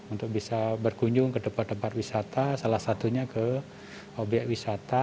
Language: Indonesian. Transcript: untuk bisa berbunyi